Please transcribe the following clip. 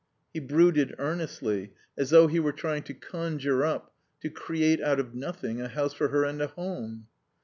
He brooded earnestly, as though he were trying to conjure up, to create out of nothing, a house for her and a home.